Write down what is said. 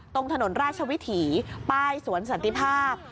ตรงถนนราชวิถีป้ายสวนสันติภาพ